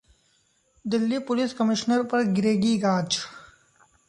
Delhi police commissioner पर गिरेगी गाज!